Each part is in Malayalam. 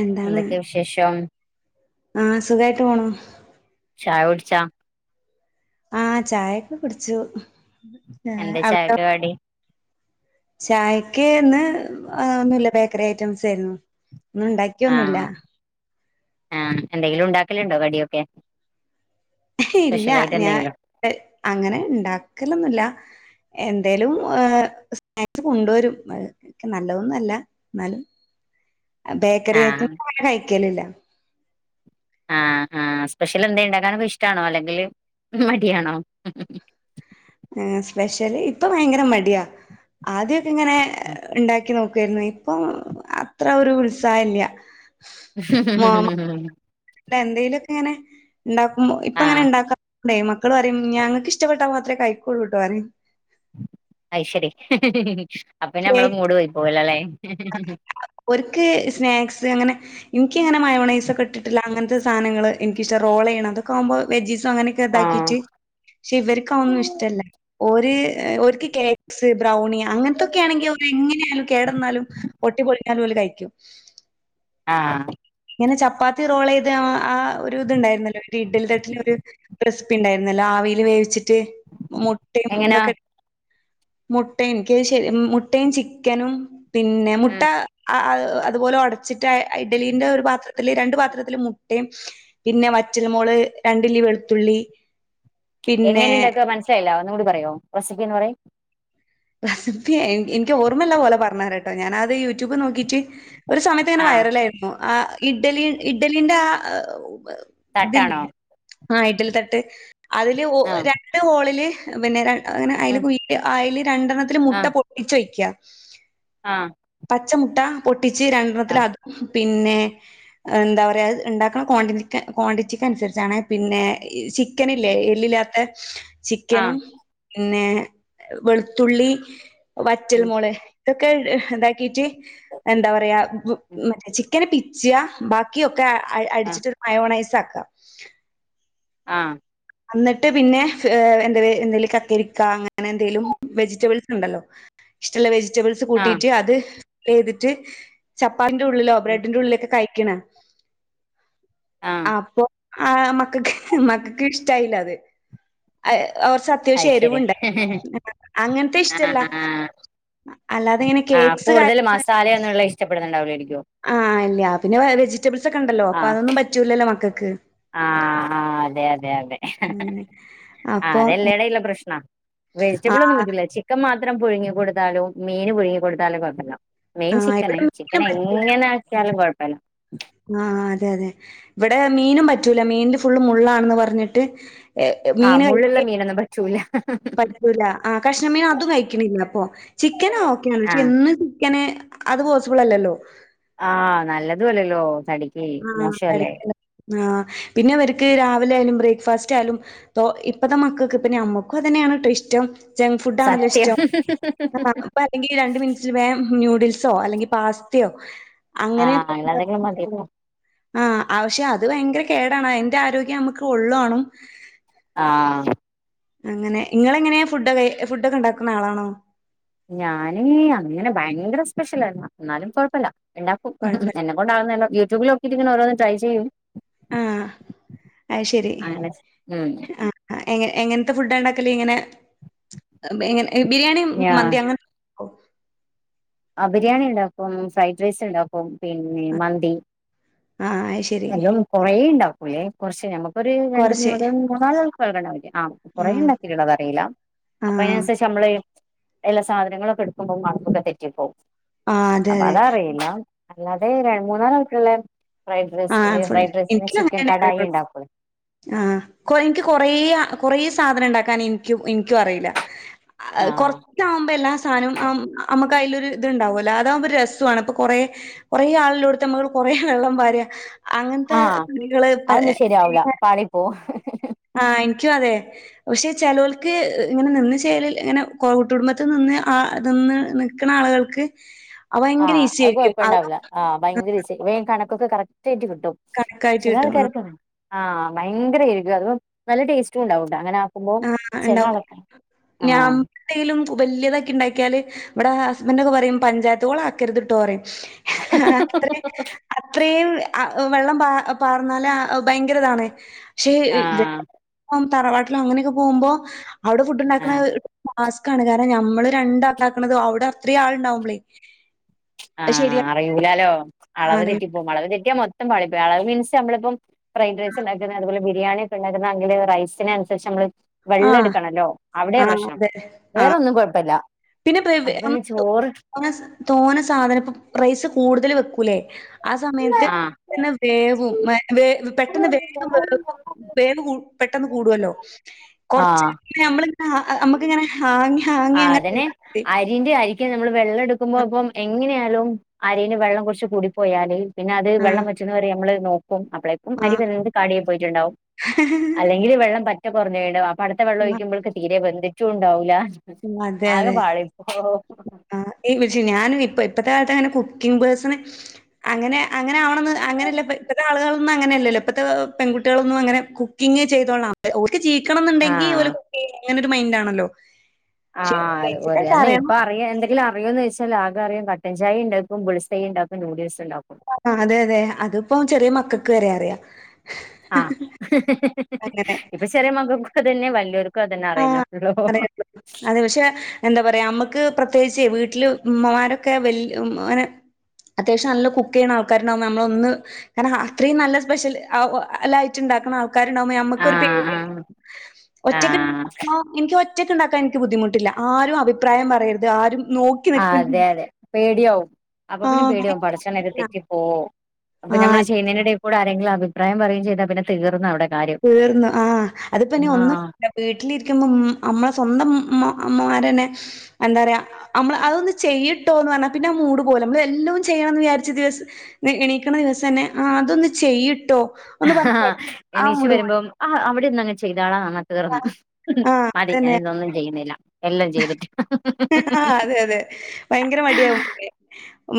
എന്താണ് എന്തൊക്കെ വിശേഷം? ആഹ് സുഖായിട്ട് പോണ് ചായ കുടിച്ച? ആഹ് ചായൊക്കെ കുടിച്ചു എന്താ അവിടോ ചായക്ക്‌ കടി? ചായക്ക് ഇന്ന് ഒന്നുല്ല ബേക്കറി ഐറ്റംസ് ആയിരുന്നു ഒന്നും ഉണ്ടാക്കി ആഹ് ആഹ് എന്തെങ്കിലും ഉണ്ടാക്കല്ണ്ടോ കടിയൊക്കെ? ഇല്ല സ്പെഷ്യൽ ആയിട്ട് ഞാൻ എന്തെങ്കിലും അങ്ങനെ ഉണ്ടാക്കലൊന്നുല്ല എന്തേലും സ്നാക്സ് കൊണ്ടുവരും അത് നല്ലതൊന്നല്ല എന്നാലും [unintelligible] ബേക്കറി ആഹ് ഐറ്റംസ് അങ്ങനെ കഴിക്കലില്ല ആഹ് ആഹ് സ്പെഷ്യൽ എന്തേം ഉണ്ടാക്കാനൊക്കെ ഇഷ്ടാണോ അല്ലെങ്കിൽ മടിയാണോ ആഹ് സ്പെഷ്യല് ഇപ്പം ഭയങ്കര മടിയാ ആദ്യക്കെ ഇങ്ങനെ ഉണ്ടാക്കി നോക്കാരുന്നു ഇപ്പം അത്ര ഒരു ഉത്സാഹല്ല [inaudible] അല്ല എന്തേലൊക്കെ ഇങ്ങനെ ഉണ്ടാക്കുമ്പൊ ഇപ്പ അങ്ങനെ ആഹ് ഉണ്ടാക്ക ണ്ടേ മക്കള് പറയും ഞങ്ങൾക്ക് ഇഷ്ടപ്പെട്ടൽ മാത്രേ കൈക്കൂള്ളൂട്ടോ പറയും അയ്ശരി അപ്പന്ന നമ്മളെ കേക്ക് മൂട് പോയി പോവല്ലൊല്ലേ ഓൽക്ക് സ്നാക്സ് അങ്ങനെ എനിക്ക് ഇങ്ങനെ മയോണൈസൊക്കെ ഇട്ടിട്ടിള്ളെ അങ്ങനത്തെ സാധനങ്ങൾ എനിക്കിഷ്ടം റോൾ ചെയ്യണം അതൊക്കെ ആവുമ്പോ വെജീസും അങ്ങനെയൊക്കെ ആഹ് ഇതാക്കിയിട്ട് പക്ഷെ ഇവർക്കതൊന്നും ഇഷ്ടല്ല ഒര് ഓൽക്ക് കേക്സ് ബ്രൗണി അങ്ങനത്തൊക്കൊണെങ്കിൽ ഓൽക്ക് എങ്ങനെയാലും കേടന്നാലും പൊട്ടി പൊളിഞ്ഞാലും ഓല് കഴിക്കും ആഹ് ഇങ്ങനെ ചപ്പാത്തി റോൾ ചെയ്ത് ആ ഒരു ഇത്ണ്ടായിരുന്നല്ലോ ഒരു ഇഡലി തട്ടില് ഒരു റെസ് സിപി ഉണ്ടായിരുന്നല്ലോ ആവിൽ വേവിച്ചിട്ട് മുട്ടയും എങ്ങനാ ഇതൊക്കെ മുട്ടയും എനിക്ക് ശരി മുട്ടയും ചിക്കനും പിന്നെ മുട്ട ഉം അ അ അതുപോലെ ഒടച്ചിട്ട് അഹ് ഇഡലീന്റെ ഒരു പാത്ര ത്തില് രണ്ട് പാത്രത്തില് മുട്ടിം പിന്നെ വറ്റൽ മൊള് രണ്ടില്ലി വെളുത്തുള്ളി പിന്നെ എങ്ങനെ ഇണ്ടാക്കാ മനസ്സിലായില്ലാ ഒന്നുംകൂടി പറയോ. റസിപ്പി ഒന്ന് പറയ്. റെസിപ്പി ഇൻ ഇൻക്ക് ഓർമ്മല്ല പോലെ പറഞ്ഞരാ ട്ടോ. ഞാനത് യൂട്യൂബ് നോക്കീറ്റ് ഒരു സമയത്ത് ഇങ്ങനെ ആഹ് വൈറലായിരുന്നു. ആ ഇഡ്ഡലി ഇഡ്ഡലിന്റെ ആ ഇതില്ലേ തട്ടാണോ ആഹ് ഇഡലി തട്ട് അതില് ഒ ആഹ് രണ്ട് ഹോളില് പിന്നെ ര അങ്ങനെ അയ്ല് ഉം കുയ്യില് അയ്ല് രണ്ടെർണ്ണത്തില് മുട്ട ആഹ് പൊട്ടിച്ചൊഴിക്കാ. ആഹ് പച്ചമുട്ട പൊട്ടിച്ച് രണ്ടെർണ്ണത്തില് ആഹ് അതും പിന്നെ എന്താ പറയാ അത് ഇണ്ടാക്ക്ണ ക്വാണ്ടിൻ്റിക് ക്വാണ്ടിറ്റിക്ക് അനുസരിച്ചാണേ. പിന്നെ, ക്കനല്ലേ എല്ലില്ലാത്ത ആഹ് ചിക്കനും പിന്നെ വെളു ത്തുള്ളി വറ്റൽ ഉം മൊള് ഇതൊക്കെ ഇതാക്കീറ്റ് എന്താ പറയാ വ് ഉം മറ്റേ ചിക്കന് പിച്ചാ. ബാക്കിയൊക്കെ അ ആഹ് അടിച്ചിട്ട് ഒരു മയോണൈസ് ആക്കാ. ആഹ് അന്നിട്ട് പിന്നെ എന്ത വെ എന്തെലും കക്കരിക്ക അങ്ങനെ എന്തേലും വെജിറ്റബിൾസ് ണ്ടല്ലോ. ഇഷ്ടള്ള വെജിറ്റബിൾസ് ആഹ് കൂട്ടീട്ട് അത് ഫില്ലെയ്തിട്ട് ചപ്പാത്തിൻ്റെ ഉള്ളിലോ ബ്രെഡിന്റെ ഉള്ളിലൊക്കെ കഴിക്ക്യ്ണാ. ആഹ് അപ്പൊ ആഹ് മക്കക്ക് മക്കക്ക് ഇഷ്ടായില്ല അത്. അത് കൊർച്ച അത് ത്യാവശ്യം ശരി എരിവുണ്ടായ്നി. അങ്ങൻത്തെത് ഇഷ്ടല്ല. ആഹ് ആഹ് അല്ലാതെ ഇങ്ങനെ കേക്സ് കാര്യങ്ങള് ഇഷ്ടപ്പെടുന്നുണ്ടാവൂലായിരിക്ക്യൊ. ആഹ് ഇല്ല്യ. പിന്നെ വെജിറ്റബിൾസ് ഒക്കെണ്ടല്ലോ അപ്പൊ ആഹ് അതൊന്നും പറ്റൂല്ലല്ലോ മക്കക്ക്. ആഹ് ആഹ് അതെ അതെ അതെ. അങ്ങനെ ആഹ് അപ്പൊ അതെല്ലെടെ ഇല്ല പ്രശ്‌നാ. ആ വെജിറ്റബിൾ ഒന്നും പറ്റൂല്ല. ചിക്കൻ മാത്രം പുഴുങ്ങി കൊടുത്താലും മീൻ പുഴുങ്ങി കൊടുത്താലും കൊഴപ്പല്ല. മെയിൻ ആ ഇവിടെ ചിക്കനായ്. ചിക്കൻ മീനും എങ്ങനാക്കിയാലും കൊഴപ്പല്ല. ആഹ് അതെ അതെ. ഇവടെ മീനും പറ്റൂല മീൻല് ഫുള്ള് മുള്ളാണ് ന്ന് പറഞ്ഞിട്ട്. ഏഹ് മീന് കയി [inaudible] നൊന്നും പറ്റൂല. പറ്റൂല. ആഹ് കഷ്ണമീൻ അതും കഴിക്ക്ണില്ല പ്പൊ. ചിക്കന് ഓക്കെയാണ്. പക്ഷെ ആഹ് എന്നും ചിക്കന്, അത് പോസിബിളല്ലല്ലോ. ആഹ് നല്ലതു അല്ലല്ലോ തടി ആഹ് തടിക്ക്. ആഹ്. പിന്നെ അവർക്ക് രാവിലെ ആയാലും ബ്രേക്ക്ഫാസ്റ്റ് ആയാലും തോ ഇപ്പത്ത മക്കക്ക് ഇപ്പ ഞമ്മക്കും അതന്നേണ് ട്ടൊ ഇഷ്ടം. ജെംങ് ഫുഡാണല്ലോ സത്യം ഇഷ്ടം. [unintelligible] ഇപ്പ അല്ലെങ്കി രണ്ട്‌ മിൻറ്റില് വേം നൂഡിൽസോ അല്ലെങ്കി പാസ്തയോ. ആഹ് അങ്ങനെയൊക്കെ അങ്ങനെന്തെങ്കിലും മത്യല്ലോ. ആഹ് ആഹ് പക്ഷെ അത് വയങ്കര കേടാണ്. അയിന്റെ ആരോഗ്യേ നമുക്ക് ഒള്ള്വാണും. ആഹ്. അങ്ങനെ. ഇങ്ങളെങ്ങനെയാ ഫുഡൊകെ, ഫുഡൊക്കെണ്ടാക്ണ ആളാണോ? ഞാന് അങ്ങനെ ഭയങ്കര സ്പെഷ്യലല്ലാ. ഇന്നാലും കൊഴപ്പല്ല. ഇണ്ടാക്കും. കൊഴപ്പല്ല. എന്നെ കൊണ്ടാവുന്നെ എല്ലാം യൂടൂബിലോക്കീറ്റ്ങ്ങനെ ഓരോന്ന് ട്രൈ ചെയ്യും. ആഹ് അഹ്ശെരി. അങ്ങനെ ഉം ആഹ്. ആഹ് എങ്ങൻ എങ്ങൻത്ത ഫുഡാണ്ടാക്കല്? ഇങ്ങനെ എഹ് [unintelligible] ബിരിയാണിം ഞാ മന്തി അങ്ങൻ ആഹ് ബിരിയാണി ണ്ടാക്കും, ഫ്രൈഡ് റൈസ്ണ്ടാക്കും പിന്നെ മന്തി. ആ അയ്ശരി എല്ലവും കൊറേണ്ടാ പുള്ളെ കൊറച്ച് നമ്മക്കൊരു രണ്ട്, കൊറച്ച് മൂന്ന് മൂന്നാലാൾക്ക് വേകാനാവൂലെ ആഹ് ആ കൊറെ ഉണ്ടാക്കീട്ടുള്ളതറീല്ല. ആ അപ്പൊ അയ്നനുസരിച്ചമ്മള് എല്ലാ സാധനങ്ങളൊക്കെ എടുക്കുമ്പോ മാർകൊക്കെ തെറ്റിപ്പോവും. ആ അതെ അപ്പൊ അതെ അതറീല്ല അല്ലാതെ രണ്ട് മൂന്നാലാൾക്ക്ള്ളെ ഫ്രൈഡ് ആ റൈസ് ഹ് ഫുൾ ഫ്രൈഡ് റൈസിന് ചിക്കൻകടായി ഉണ്ടാക്കൊള്ളൂ. ആഹ് കൊ എനിക്ക് കൊറേ കൊറേ സാധനണ്ടാക്കാൻ ഇൻക്കും ഇൻക്കും അറീല്ല. ആ അഹ് കൊർ ച്ചാവുമ്പോ എല്ലാ സാനോം അമ്മക്ക് അയിലൊരു ത്ണ്ടാവല്ലോ അതാവുമ്പോ രസ്സൊണ് പ്പൊ കൊറെ. കുറെ ആള്ള്ളോട്ത്ത് മ്മള് കൊറേ വെള്ളം പാരാ. അങ്ങനത്തെ ആ പണികള് പ അതൊന്നും ശരിയാവൂല പാളിപ്പോവും ആഹ് എനിക്കും അതെ. പക്ഷേ ചെലോൽക്ക് ഇങ്ങനെ നിന്ന് ചേല് ഇങ്ങനെ കുട്ടുടുംബത്ത്നിന്ന് ആഹ് നിന്ന് നി ക്കണ ആള്കൾക്ക്. ആഹ് അഹ് കൊഴപ്പണ്ടാവൂലാ. ആഹ് ഭയങ്കര ഈസ്യേര്ക്കും വേ കണക്കൊക്കെ കറക്റ്റായിട്ട് കിട്ടും കണക്കായിട്ട് ചെല കിട്ടും. ആഹ് ആൾക്കാര്ക്ക്. ആഹ് ഭയങ്കരേര്ക്കും അത് നല്ല ടേസ്റ്റും ഉണ്ടാവുട്ടോ അങ്ങനെ മ്പോ ആഹ് ചെല ആളൊക്കെ ആഹ്. ത്തേലും വല്ല്യതാക്കിണ്ടാക്ക്യാല് ഇവിടെ ഹസ്ബന്റൊക്കെ പറയും പഞ്ചായത്ത് കൊളാക്കരുത്ട്ടോറയും. അത്രീം, അത്രീം അ. വെള്ളം വാർന്നാല് ആ ഭയങ്കരതാണ് പക്ഷെ ആഹ് [inaudible] തറവാട്ടി ലങ്ങനെക്കെ പോവുമ്പോ അവിടെ ഫുഡ്ണ്ടാക്കണ ആഹ് ടാസ്ക് ക്കാണ് കാരണം ഞമ്മള് രണ്ടാക്കണത് അവിടെ അത്രേം ആള്ണ്ടാവുമ്പളെ ആഹ് അറിയൂലാലോ അളവ് അറിയും തെറ്റിപ്പോവും അളവ് തെറ്റിയാ മൊത്തം പാളിപ്പോ അളവ് മീൻസ് നമ്മളിപ്പം. ഫ്രൈഡ്റൈസ്ണ്ടാക്കുന്നെ അതുപോലെ ബിരിയാണി ഒക്കെണ്ടാക്കുന്നാണെങ്കില് റൈസിനനുസരിച്ച് നമ്മള്. ആഹ് വെള്ളെടുക്കണല്ലോ അവിടെ ആഹ് പ്രശ്നം അതെ ആഹ് വേറൊന്നും കൊഴപ്പല്ലാ. പിന്നെ പെ വെ തോന സാധനം ഇപ്പ റൈസ് കൂടുതല് വെക്കൂല്ലെ. ആ സമയത്ത് തന്നെ ന്നെ ആഹ് വേവും പെട്ട പ വേഗം വേവും പെട്ടെന്ന് കൂടുവല്ലോ കൊറച്ച്. ആഹ് നമ്മളിങ്ങനെ മ്മക്കിങ്ങനെ ഹാങ്ങി ഹാങ്ങി അതിന് അങ്ങനെഇടാം. അരിന്റെ അരിക്ക് നമ്മള് വെള്ളെടുക്കുമ്പോ പ്പം എങ്ങനെയാലും. അരീല് വെള്ളം കൊറച്ച് കൂടി പോയാല് പിന്നെ അത് ആഹ് വെള്ളം വറ്റുന്നവരെ നമ്മള് നോക്കും അപ്പളെ ആഹ് അരി ആഹ് വെന്ത് കാടിയായി പോയിട്ടുണ്ടാവും അല്ലെങ്കില് വെള്ളം പറ്റെ കൊറഞ്ഞ്പോയിണ്ടാവും അപ്പൊ അടുത്ത വെള്ളം ഒഴിക്കുമ്പഴ്ത്തേ തീരെ ബെന്തിട്ടൂണ്ടാവൂലാ. ഉം അതെ, അതെ. ആഹ് ഈ വിശി ഞാനും ഇപ്പ ഇപ്പഴത്തെ കാലത്തങ്ങനെ കുക്കിംഗ് പേഴ്സണ്. അങ്ങനെ അങ്ങനെ ആവണന്ന് അങ്ങനല്ല ഇപ്പ ഇപ്പത്തെ ആളുകളൊന്നും അങ്ങനെയല്ലല്ലോ ഇപ്പത്തെ പെൺകുട്ടികളൊന്നും അങ്ങനെ കുക്ക് ക്കിങ്ങ് ചെയ്തോളാം ഓൽക്ക് ജീവിക്കണം ന്ന്ണ്ടെങ്കി ആഹ് ഓല്കുക്കിയും അങ്ങനൊരു മൈൻഡാണല്ലോ. ആഹ് അത് ഒരു അന്നെപ്പ. അറിയ എന്തെങ്കിലും അറിയോന്നോയ്ച്ചാല് ആകറിയ കട്ടൻചായണ്ടാക്കും, ബുൾസൈണ്ടാക്കും, നൂഡിൽസ്ണ്ടാക്കും. ആഹ് അതെ അതെ അതിപ്പോ ചെറിയ മക്കക്ക് വരെ അറിയാ. ആഹ് അങ്ങനെ ഇപ്പൊ ചെറിയ മക്കക്കൂ അതന്നെ വല്ല്യോര്ക്കു അതന്നെ അറിയുന്ന. ആഹ് അറിയുള്ളൂ അതെ പക്ഷെ എന്താ പറയാ നമ്മുക്ക് പ്രത്യേകിച്ച് വീട്ടില് ഉമ്മമാരൊക്കെ വല് അങ്ങനെ. അത്യാവശ്യം നല്ല കുക്ക് ചെയ്യണ ആൾക്കാരുണ്ടാവ നമ്മളൊന്ന്. കാരണം അത്രയും നല്ല സ്പെഷ്യൽ എല്ലായിറ്റം ഉണ്ടാക്കണം ആ ൾക്കാര് ഉണ്ടാവുമ്പോ നമ്മക്കൊരു പേടി ആഹ് ഒറ്റക്ക്. ആഹ് ഓഹ് ഇന്ക്ക് ഒറ്റയ്ക്ക് ഇണ്ടാക്കാൻ ഇന്ക്ക് ബുദ്ധിമുട്ടില്ല ആരും അഭിപ്രായം പറയരുത് ആരും നോ ആഹ് അതെ അതെ പേടിയാവും അപ്പ പിന്നെ ആഹ് പേടിയാവും പടച്ചോനെ ഇത് ഭയങ്കര തെറ്റി പോവൊ അപ്പം ആഹ് ഞമ്മള് ഇത് അതെ ചെയ്യ്ന്നേന്റെ എടെക്കൂടെ ആരെങ്കിലും അഭിപ്രായം പറയും ചെയ്താ പിന്നെ തീർന്ന് അവ്ടെ കാര്യം തീർന്ന് ആഹ് അത്പ്പനി ഒന്നും ആഹ് [unintelligible] വീട്ടിലിരിക്കുമ്പം അമ്മളെ സ്വന്തം ഇമ്മ അമ്മമാരന്നെ എന്താറിയാ അമ്മള് അതൊന്ന് ചെയ്ട്ടോന്ന് പറഞ്ഞാ പിന്നെ ആ മൂട് പോവല്ലെ ഇമ്മള് എല്ലോം ചെയ്യണന്ന് വിചാരിച്ച ദിവസ് ഇന്ന് എണീക്ക്ണെ ദിവസന്നെ ആ അതൊന്ന് ചെയ്യ്ട്ടോ ഒന്ന് പറഞ്ഞ് ആ എണീച്ച് മൂഡ് പോവും. വെരുമ്പം ആ അവിടെന്നങ്ങ് ചെയ്താളാ അങ്ങ തീർന്ന് ആഹ് മതി അനി ഞാൻ അതന്നെ. ഇന്നൊന്നും ചെയ്യുന്നില്ല എല്ലാം ചെയ്തിട്ട് ആഹ് അതെ അതെ ഭയങ്കര മടിയാവും പിന്നെ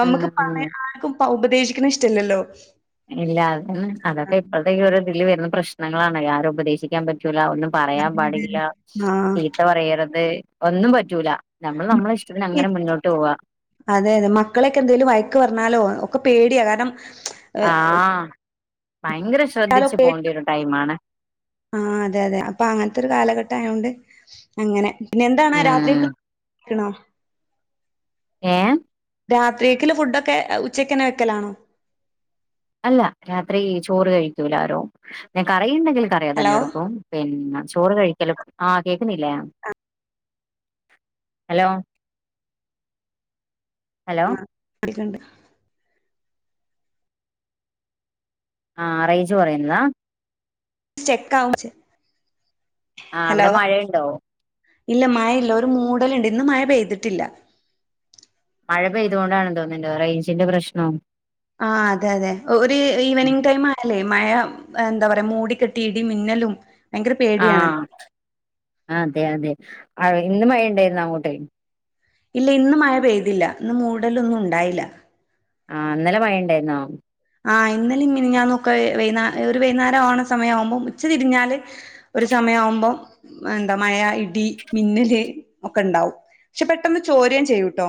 മമ്മക്ക് ആഹ് പറയാ ആര്ക്കും പ്പ ഉപദേശിക്ക്ന്നെ ഇഷ്ടല്ലല്ലോ ഇല്ല അതന്നെ അതൊക്കെ ആഹ്. ഇപ്പോഴത്തെ ഈ ഒരു ഇതില് വെര്ന പ്രശ്നങ്ങളാണെ ആരും ഉപദേശിക്കാൻ പറ്റൂല ഒന്നും പറയാൻ അതെ അതെ പാടില്ല അതെ. ആഹ്. ചീ ത്ത പറയരുത് ഒന്നും പറ്റൂല ഞമ്മള് ഞമ്മളെ ഇഷ്ടത്തിന് അങ്ങനെ മുന്നോട്ട് പോവാ അതെ അതെ മക്കളെക്കെ എന്തേലും വഴക്ക് പറഞ്ഞാലോ ഒക്കെ പേടിയാ കാരണം ഏഹ് ആഹ് ഭയങ്കര ശ്രദ്ധിച്ച് പോണ്ടിയൊരു ടൈമാണ് ആഹ് അതെ അതെ അപ്പൊ അങ്ങത്തൊരു കാലഘട്ട ആയോണ്ട് അങ്ങനെ പിന്നെ എന്താണ് ഉം രാത്രിക്ക് ക്ക്ണോ ഏഹ് രാത്രിയേക്ക്ല്ലെ ഫുഡൊക്കെ ആഹ് ഉച്ചക്കന്നെ വെക്കലാണോ അല്ല രാത്രി ചോറ് കഴിക്കൂലാരും ഞാൻ കറിയ്ണ്ടെങ്കില് കറിയതന്നെ ഹലോ എടുക്കും പിന്നെ ചോറ് കഴിക്കല് ആഹ് കേക്കുന്നില്ലേ ഹലോ ഹലോ [unintelligible] ആഹ് റെയ്ഞ്ച് പോയന്നാ ചെക്കാവും ചെ ആഹ് അവിടെ മഴയിണ്ടോ ഇല്ല മഴയില്ല ഒരു മൂടല്ണ്ട് ഇന്ന് മഴ പെയ്തിട്ടില്ല മഴ പെയ്തുകൊണ്ടാണ് തോന്ന്ണ്ട് റെയ്ഞ്ചിന്റെ പ്രശ്നം ആഹ് അതെ അതെ ഒ ഒര് ഇവനിംങ് ടൈമായാല്ലേ മഴ എന്താ പറ്യാ മൂടിക്കെട്ടി ഇടിം മിന്നലും ഭയങ്കര പേടിയാണ് ആഹ് അതെ അതെ അഹ് ഇന്നും മഴണ്ടേരുന്നോ അങ്ങോട്ട് ഇല്ല ഇന്നു മഴ പെയ്തില്ല ഇന്ന് മൂടലൊന്നും ഉണ്ടായില്ല ആഹ് ഇന്നലെ മഴ ഇണ്ടേര്ന്നോ ആഹ് ഇന്നലിം മിന്ഞ്ഞാന്നൊക്കെ വൈന്നാ ഒരു വൈന്നാരം ആവണെ സമയാവുമ്പം ഉച്ച തിരിഞ്ഞാല് ഒരു സമയാവുമ്പം എന്താ മഴ ഇടി മിന്നല് ഒക്കെ ഇണ്ടാവും പക്ഷേ പെട്ടെന്ന് ചോര്യേം ചെയ്യുട്ടോ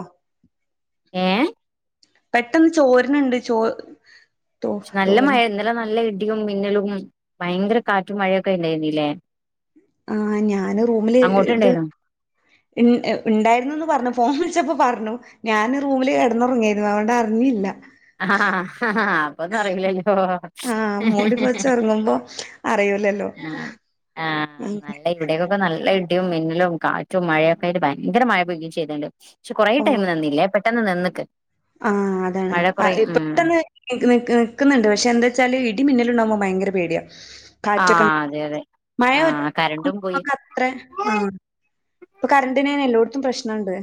ഏഹ് പെട്ടെന്ന് ചോര്ന്ണ്ട് ചോ തോ നല്ല തോരൻ മഴെ ഇന്നലെ നല്ല ഇടിയും മിന്നലും ഭയങ്കര കാറ്റും മഴയൊക്കെ ഇണ്ടാര്ന്നില്ലേ ആഹ് ഞാന് റൂമില് ഇത് ഇന് ഏഹ് ഇണ്ടായിരുന്നുന്ന് പറഞ്ഞു ഫോൺ വിള്ച്ചപ്പോ പറ്ഞ്ഞു ഞാന് റൂമില് കെടന്നൊറങ്ങിയേരുന്നു അവോണ്ട അറ്ഞ്ഞില്ല [unintelligible] അപ്പൊന്നും അറിയില്ലല്ലോ ആഹ് മൂടി പൊതച്ച് ഒറങ്ങുമ്പോ അറിയൂല്ലല്ലോ അങ്ങനെ അയ് ഇവ്ടേക്കൊക്കെ നല്ല ഇടിയും, മിന്നലും, കാറ്റും, മഴയൊക്കെ ആയിട്ട് ഭയങ്കര മഴ പെയ്യിം ചെയ്ത്ണ്ട്. ക്ഷെ കൊറേ ഓഹ് ടൈം നിന്നില്ലെ പെട്ടെന്ന് നിന്ന്ക്ക്. ആഹ് അതാണ്. മഴ കൊറേ ആഹ് ഹ് ഉം പെട്ടെന്ന് ഇത് നിക്ക് ക്ക്ന്ന് ണ്ട്. പക്ഷെ എന്താച്ചാല് ഇടിം, മിന്നലും ണ്ടാവ്‌മ്പൊ ഭയങ്കര പേടിയാ. കാറ്റൊക്കെൺ ആഹ് അതെ അതെ മഴവെ ആഹ് ഉം കരണ്ടും പോയി മ്മക്ക് ത്രേ ആഹ് പ്പൊ കരണ്ട്ന് എല്ലോട്ത്തും പ്രശ്നണ്ട്.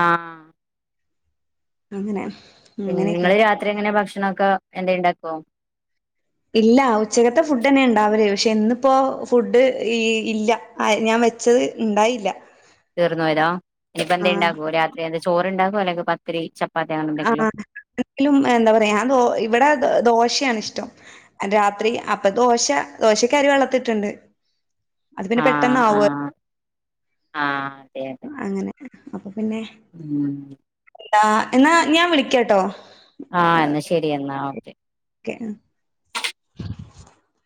ആഹ് അങ്ങനെ പിന്നെ നിങ്ങള് അങ്ങനെയൊക്കെയാണ്. രാത്രി എങ്ങനെ ഭക്ഷണൊക്കെ എന്തേം ണ്ടാക്കൊ? ഇല്ല. ഉച്ചകത്തെ ഫുഡെന്നെ ണ്ടാവല്. പക്ഷെ ന്ന്പ്പൊ ഫുഡ് ഈ ഇല്ല. ആയ് ഞാൻ വെച്ചത് ഇണ്ടായില്ല. തീർന്ന് പോയതാ. നിപ്പം എന്തെണ്ടാ ആഹ് ക്കൊ. രാത്രി എന്തെ ചോറ്ണ്ടാക്കൊ അല്ലെങ്കി പത്തിരി, ച ആഹ് എ ലും എന്താ പറയാ ഞാ ദോ ഇവടെ ദൊ ദോശയാണ് ഇഷ്ടം. രാത്രി അപ്പൊ ദോശ. ദോശക്കരി വെള്ളത്ത്ട്ട് ണ്ട്. ആഹ് ആഹ് ആഹ് ഏഹ് അങ്ങനെ. അപ്പൊ പിന്നെ ഉം ടാ. എന്നാ ഞാ വിളിക്കാട്ടൊ. ആഹ് എന്നാ ശരി എന്നാ ഓക്കെ. ക്കെ ആഹ്